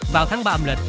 vào tháng ba âm lịch